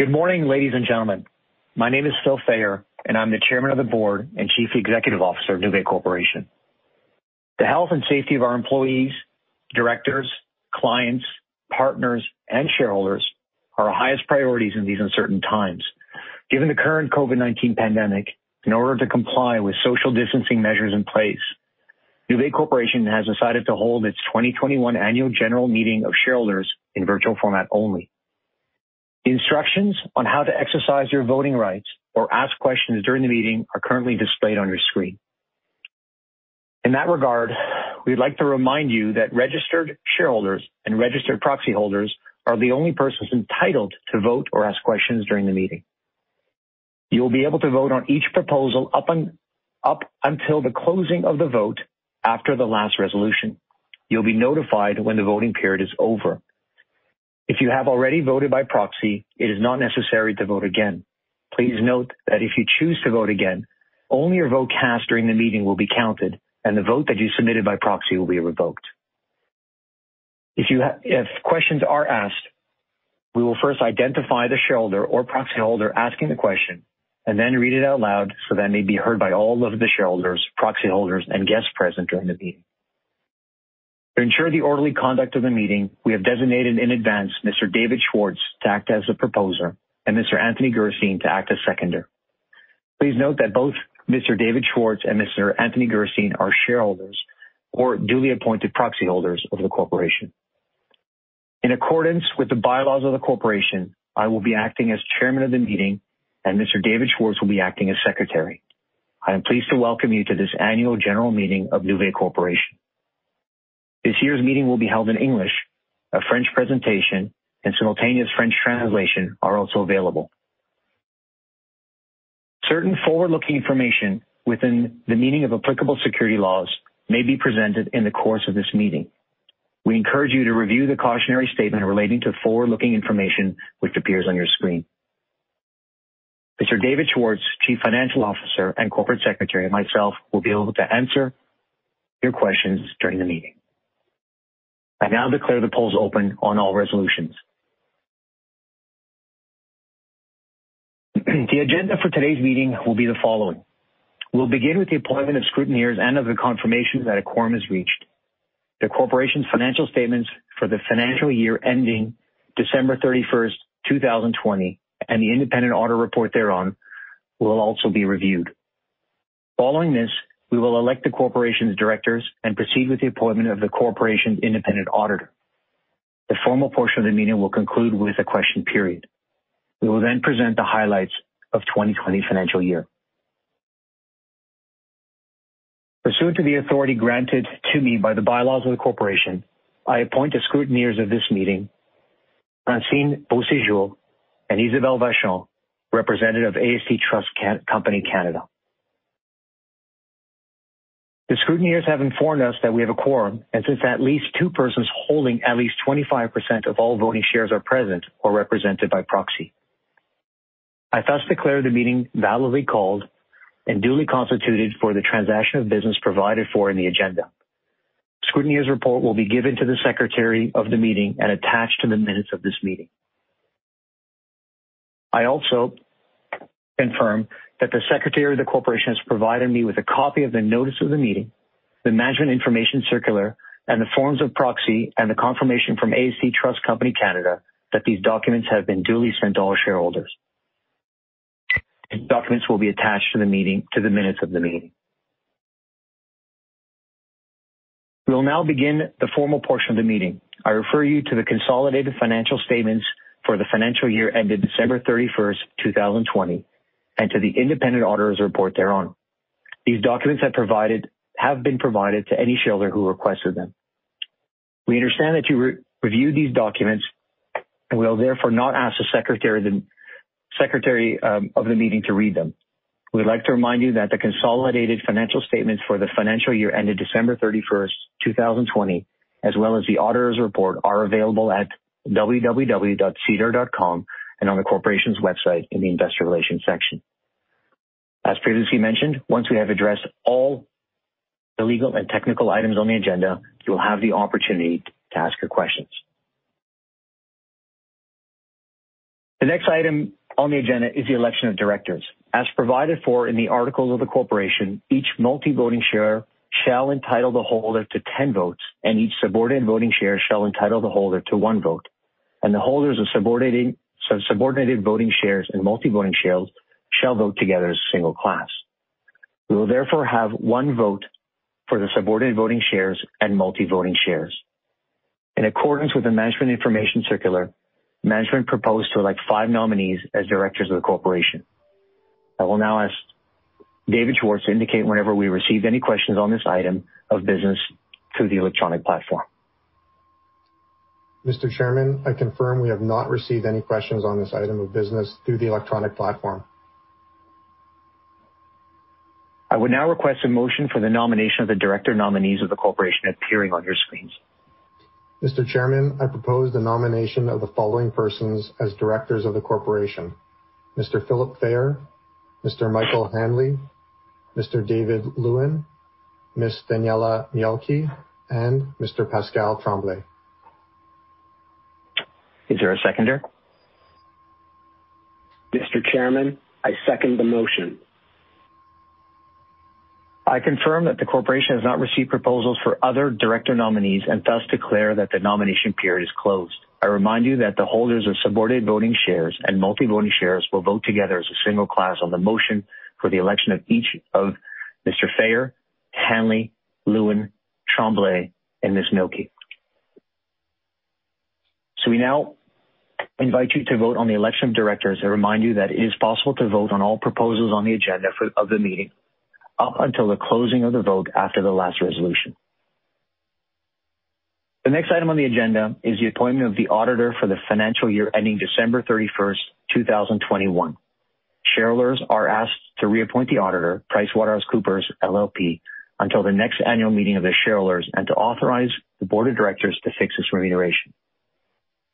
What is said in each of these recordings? Good morning, ladies and gentlemen. My name is Philip Fayer, and I'm the Chairman of the Board and Chief Executive Officer of Nuvei Corporation. The health and safety of our employees, directors, clients, partners, and shareholders are our highest priorities in these uncertain times. Given the current COVID-19 pandemic, in order to comply with social distancing measures in place, Nuvei Corporation has decided to hold its 2021 annual general meeting of shareholders in virtual format only. Instructions on how to exercise your voting rights or ask questions during the meeting are currently displayed on your screen. In that regard, we'd like to remind you that registered shareholders and registered proxy holders are the only persons entitled to vote or ask questions during the meeting. You will be able to vote on each proposal up until the closing of the vote after the last resolution. You'll be notified when the voting period is over. If you have already voted by proxy, it is not necessary to vote again. Please note that if you choose to vote again, only your vote cast during the meeting will be counted, and the vote that you submitted by proxy will be revoked. If questions are asked, we will first identify the shareholder or proxy holder asking the question and then read it out loud so that may be heard by all of the shareholders, proxy holders, and guests present during the meeting. To ensure the orderly conduct of the meeting, we have designated in advance Mr. David Schwartz to act as the proposer and Mr. Anthony Gerstein to act as seconder. Please note that both Mr. David Schwartz and Mr. Anthony Gerstein are shareholders or duly appointed proxy holders of the corporation. In accordance with the bylaws of the corporation, I will be acting as chairman of the meeting, and Mr. David Schwartz will be acting as secretary. I am pleased to welcome you to this annual general meeting of Nuvei Corporation. This year's meeting will be held in English. A French presentation and simultaneous French translation are also available. Certain forward-looking information within the meaning of applicable security laws may be presented in the course of this meeting. We encourage you to review the cautionary statement relating to forward-looking information which appears on your screen. Mr. David Schwartz, Chief Financial Officer and Corporate Secretary, and myself will be able to answer your questions during the meeting. I now declare the polls open on all resolutions. The agenda for today's meeting will be the following: We'll begin with the appointment of scrutineers and of the confirmation that a quorum is reached. The corporation's financial statements for the financial year ending December 31st, 2020, and the independent auditor report thereon will also be reviewed. Following this, we will elect the corporation's directors and proceed with the appointment of the corporation's independent auditor. The formal portion of the meeting will conclude with a question period. We will then present the highlights of 2020 financial year. Pursuant to the authority granted to me by the bylaws of the corporation, I appoint the scrutineers of this meeting, Francine Beauséjour and Isabelle Vachon, representative of AST Trust Company Canada. The scrutineers have informed us that we have a quorum, and since at least two persons holding at least 25% of all voting shares are present or represented by proxy, I thus declare the meeting validly called and duly constituted for the transaction of business provided for in the agenda. Scrutineers' report will be given to the secretary of the meeting and attached to the minutes of this meeting. I also confirm that the secretary of the corporation has provided me with a copy of the notice of the meeting, the management information circular, and the forms of proxy, and the confirmation from AST Trust Company (Canada), that these documents have been duly sent to all shareholders. These documents will be attached to the meeting, to the minutes of the meeting. We'll now begin the formal portion of the meeting. I refer you to the consolidated financial statements for the financial year ended December 31st, 2020, and to the independent auditor's report thereon. These documents have been provided to any shareholder who requested them. We understand that you've reviewed these documents and will therefore not ask the secretary of the meeting to read them. We'd like to remind you that the consolidated financial statements for the financial year ended December 31, 2020, as well as the auditor's report, are available at www.sedar.com and on the corporation's website in the investor relations section. As previously mentioned, once we have addressed all the legal and technical items on the agenda, you will have the opportunity to ask your questions. The next item on the agenda is the election of directors. As provided for in the articles of the corporation, each multi-voting share shall entitle the holder to 10 votes, and each subordinate voting share shall entitle the holder to one vote, and the holders of subordinate, subordinate voting shares and multi-voting shares shall vote together as a single class. We will therefore have one vote for the subordinate voting shares and multi-voting shares. In accordance with the management information circular, management proposed to elect five nominees as directors of the corporation. I will now ask David Schwartz to indicate whenever we receive any questions on this item of business through the electronic platform. Mr. Chairman, I confirm we have not received any questions on this item of business through the electronic platform. I would now request a motion for the nomination of the director nominees of the corporation appearing on your screens. Mr. Chairman, I propose the nomination of the following persons as directors of the corporation: Mr. Philip Fayer, Mr. Michael Hanley, Mr. David Lewin, Ms. Daniela Mielke, and Mr. Pascal Tremblay. Is there a seconder? Mr. Chairman, I second the motion. I confirm that the corporation has not received proposals for other director nominees and thus declare that the nomination period is closed. I remind you that the holders of subordinate voting shares and multi-voting shares will vote together as a single class on the motion for the election of each of Mr. Fayer, Hanley, Lewin, Tremblay, and Ms. Mielke. We now invite you to vote on the election of directors. I remind you that it is possible to vote on all proposals on the agenda for, of the meeting up until the closing of the vote after the last resolution. The next item on the agenda is the appointment of the auditor for the financial year ending December 31st, 2021. Shareholders are asked to reappoint the auditor, PricewaterhouseCoopers LLP, until the next annual meeting of the shareholders, and to authorize the board of directors to fix its remuneration.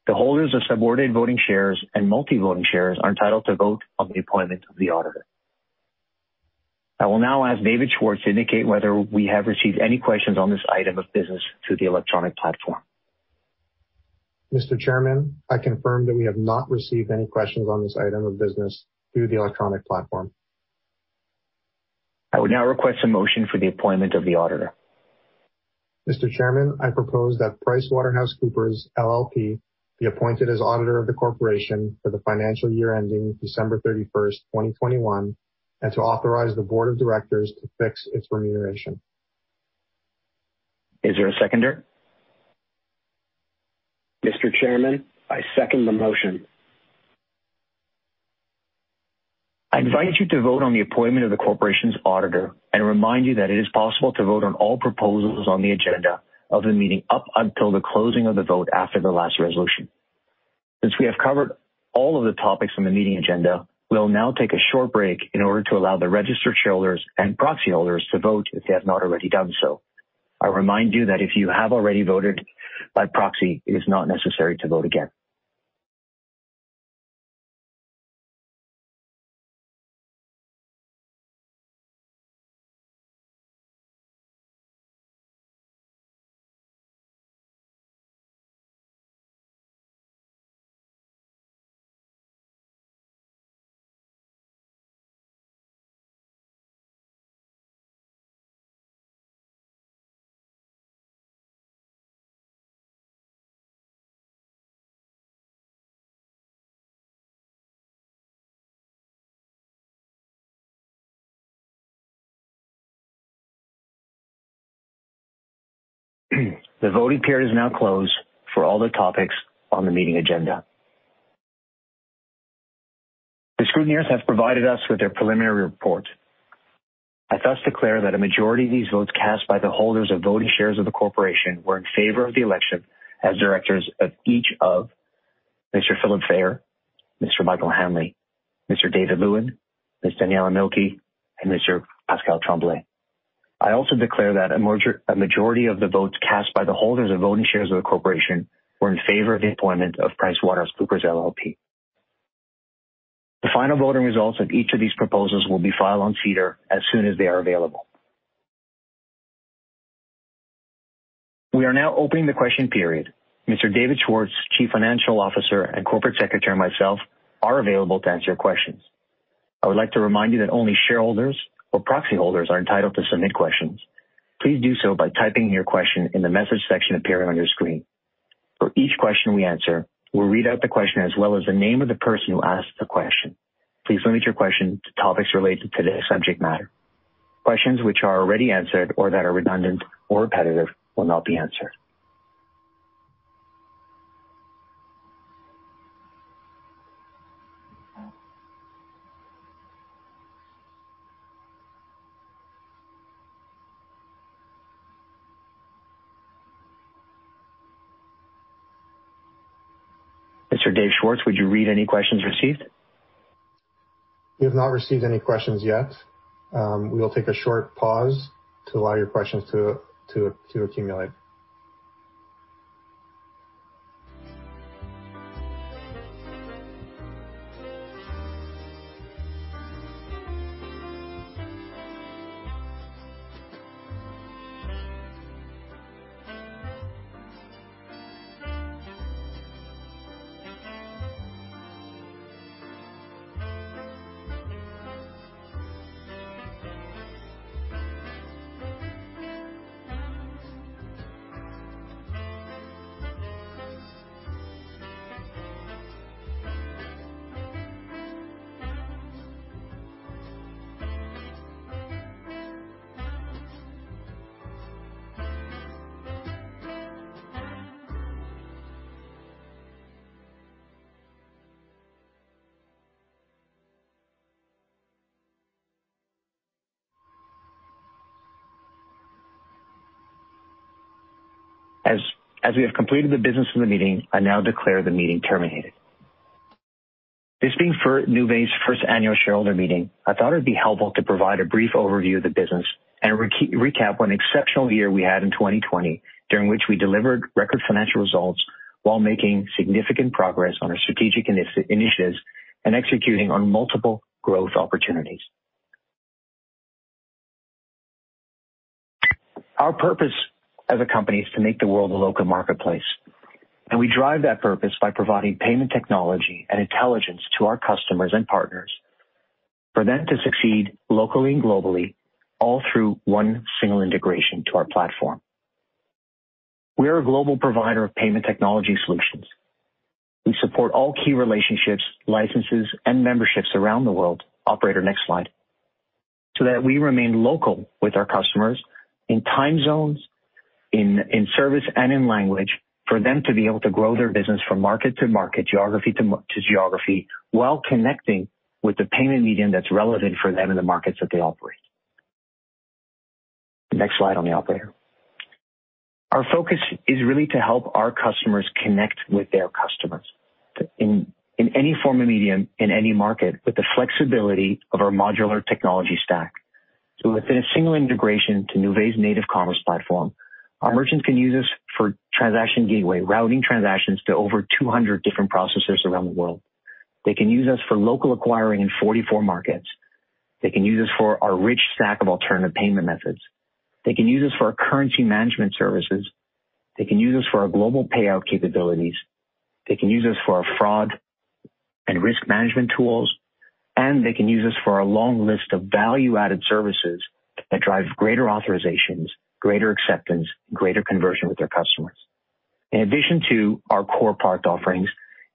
The holders of Subordinate Voting Shares and Multi-Voting Shares are entitled to vote on the appointment of the auditor. I will now ask David Schwartz to indicate whether we have received any questions on this item of business through the electronic platform. Mr. Chairman, I confirm that we have not received any questions on this item of business through the electronic platform. I would now request a motion for the appointment of the auditor. Mr. Chairman, I propose that PricewaterhouseCoopers LLP be appointed as auditor of the corporation for the financial year ending December 31st, 2021, and to authorize the board of directors to fix its remuneration. Is there a seconder? Mr. Chairman, I second the motion. I invite you to vote on the appointment of the corporation's auditor and remind you that it is possible to vote on all proposals on the agenda of the meeting up until the closing of the vote after the last resolution. Since we have covered all of the topics on the meeting agenda, we'll now take a short break in order to allow the registered shareholders and proxy holders to vote if they have not already done so. I remind you that if you have already voted by proxy, it is not necessary to vote again. The voting period is now closed for all the topics on the meeting agenda. The scrutineers have provided us with their preliminary report. I thus declare that a majority of these votes cast by the holders of voting shares of the corporation were in favor of the election as directors of each of Mr. Philip Fayer, Mr. Michael Hanley, Mr. David Lewin, Ms. Daniela Mielke, and Mr. Pascal Tremblay. I also declare that a majority of the votes cast by the holders of voting shares of the corporation were in favor of the appointment of PricewaterhouseCoopers LLP. The final voting results of each of these proposals will be filed on SEDAR as soon as they are available. We are now opening the question period. Mr. David Schwartz, Chief Financial Officer and Corporate Secretary, and myself, are available to answer your questions. I would like to remind you that only shareholders or proxy holders are entitled to submit questions. Please do so by typing your question in the message section appearing on your screen. For each question we answer, we'll read out the question as well as the name of the person who asked the question. Please limit your question to topics related to today's subject matter. Questions which are already answered or that are redundant or repetitive will not be answered. Mr. David Schwartz, would you read any questions received? We have not received any questions yet. We will take a short pause to allow your questions to accumulate. As we have completed the business of the meeting, I now declare the meeting terminated. This being for Nuvei's first annual shareholder meeting, I thought it'd be helpful to provide a brief overview of the business and recap what an exceptional year we had in 2020, during which we delivered record financial results while making significant progress on our strategic initiatives and executing on multiple growth opportunities. Our purpose as a company is to make the world a local marketplace, and we drive that purpose by providing payment technology and intelligence to our customers and partners for them to succeed locally and globally, all through one single integration to our platform. We are a global provider of payment technology solutions. We support all key relationships, licenses, and memberships around the world. Operator, next slide. So that we remain local with our customers in time zones, in service and in language, for them to be able to grow their business from market to market, geography to geography, while connecting with the payment medium that's relevant for them in the markets that they operate. Next slide on the operator. Our focus is really to help our customers connect with their customers in any form of medium, in any market, with the flexibility of our modular technology stack. So within a single integration to Nuvei's native commerce platform, our merchants can use us for transaction gateway, routing transactions to over 200 different processors around the world. They can use us for local acquiring in 44 markets. They can use us for our rich stack of alternative payment methods. They can use us for our currency management services. They can use us for our global payout capabilities. They can use us for our fraud and risk management tools, and they can use us for our long list of value-added services that drive greater authorizations, greater acceptance, greater conversion with their customers. In addition to our core product offerings,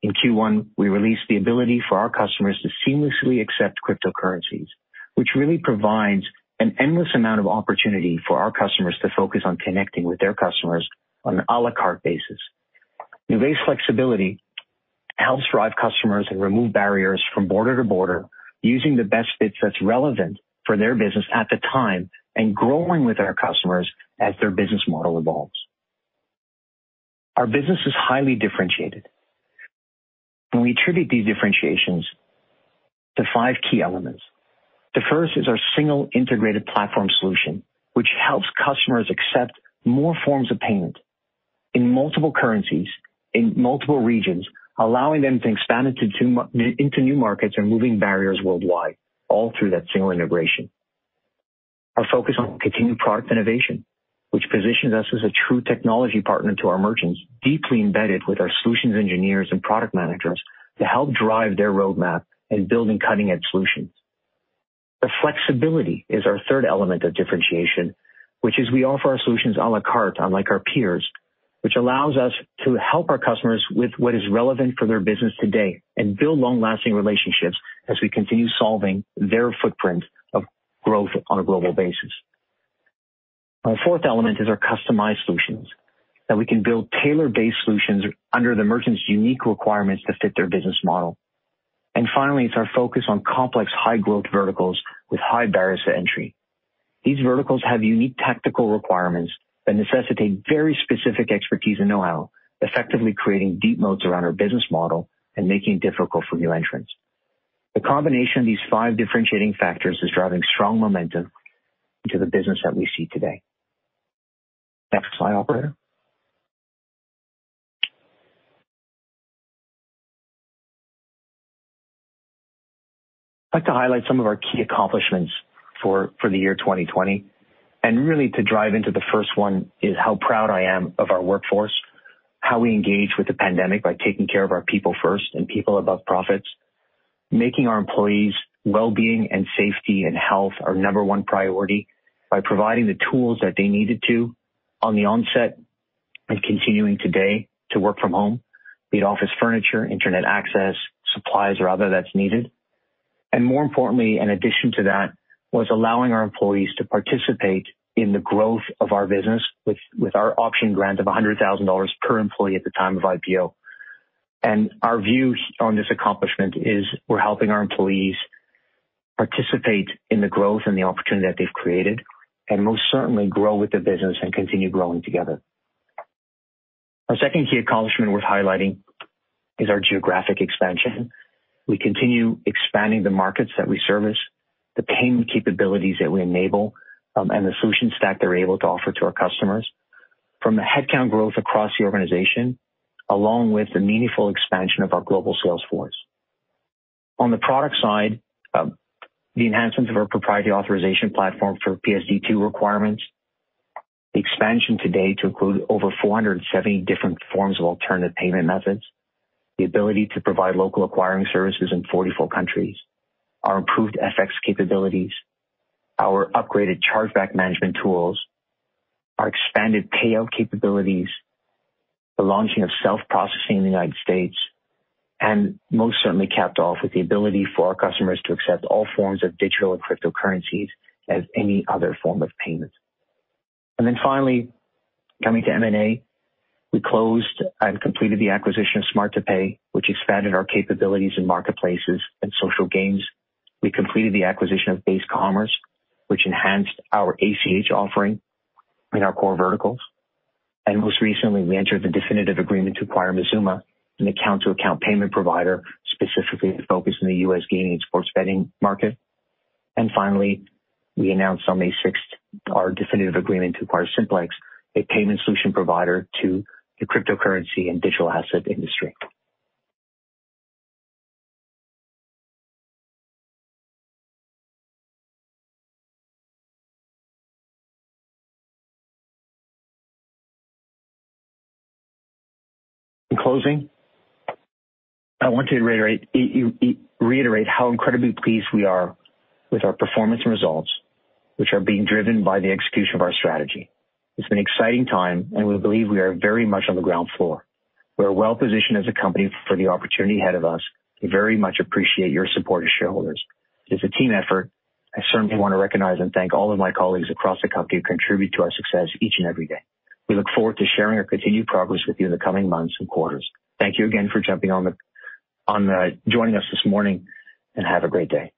in Q1, we released the ability for our customers to seamlessly accept cryptocurrencies, which really provides an endless amount of opportunity for our customers to focus on connecting with their customers on an à la carte basis. Nuvei's flexibility helps drive customers and remove barriers from border to border, using the best fits that's relevant for their business at the time, and growing with our customers as their business model evolves. Our business is highly differentiated, and we attribute these differentiations to five key elements. The first is our single integrated platform solution, which helps customers accept more forms of payment in multiple currencies, in multiple regions, allowing them to expand into new markets and removing barriers worldwide, all through that single integration. Our focus on continued product innovation, which positions us as a true technology partner to our merchants, deeply embedded with our solutions engineers and product managers to help drive their roadmap in building cutting-edge solutions. The flexibility is our third element of differentiation, which is we offer our solutions a la carte, unlike our peers, which allows us to help our customers with what is relevant for their business today and build long-lasting relationships as we continue solving their footprint of growth on a global basis. Our fourth element is our customized solutions, that we can build tailor-based solutions under the merchant's unique requirements to fit their business model. Finally, it's our focus on complex, high-growth verticals with high barriers to entry. These verticals have unique technical requirements that necessitate very specific expertise and know-how, effectively creating deep moats around our business model and making it difficult for new entrants. The combination of these five differentiating factors is driving strong momentum into the business that we see today. Next slide, operator. I'd like to highlight some of our key accomplishments for the year 2020, and really, to drive into the first one, is how proud I am of our workforce, how we engaged with the pandemic by taking care of our people first and people above profits, making our employees' well-being and safety and health our number one priority by providing the tools that they needed to on the onset and continuing today to work from home, be it office furniture, internet access, supplies or other that's needed. More importantly, in addition to that, was allowing our employees to participate in the growth of our business with our option grant of $100,000 per employee at the time of IPO. Our view on this accomplishment is we're helping our employees participate in the growth and the opportunity that they've created, and most certainly grow with the business and continue growing together. Our second key accomplishment worth highlighting is our geographic expansion. We continue expanding the markets that we service, the payment capabilities that we enable, and the solution stack that we're able to offer to our customers. From the headcount growth across the organization, along with the meaningful expansion of our global sales force. On the product side, the enhancements of our proprietary authorization platform for PSD2 requirements, the expansion today to include over 470 different forms of alternative payment methods, the ability to provide local acquiring services in 44 countries, our improved FX capabilities, our upgraded chargeback management tools, our expanded payout capabilities, the launching of self-processing in the United States, and most certainly capped off with the ability for our customers to accept all forms of digital and cryptocurrencies as any other form of payment. Then finally, coming to M&A, we closed and completed the acquisition of Smart2Pay, which expanded our capabilities in marketplaces and social gaming. We completed the acquisition of Base Commerce, which enhanced our ACH offering in our core verticals. Most recently, we entered the definitive agreement to acquire Mazooma, an account-to-account payment provider, specifically focused in the U.S. gaming and sports betting market. Finally, we announced on May 6 our definitive agreement to acquire Simplex, a payment solution provider to the cryptocurrency and digital asset industry. In closing, I want to reiterate, reiterate how incredibly pleased we are with our performance and results, which are being driven by the execution of our strategy. It's an exciting time, and we believe we are very much on the ground floor. We're well positioned as a company for the opportunity ahead of us. We very much appreciate your support as shareholders. It's a team effort. I certainly want to recognize and thank all of my colleagues across the company who contribute to our success each and every day. We look forward to sharing our continued progress with you in the coming months and quarters. Thank you again for joining us this morning, and have a great day.